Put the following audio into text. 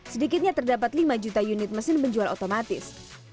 sedikitnya terdapat lima juta unit mesin penjual otomatis